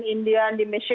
indian di michigan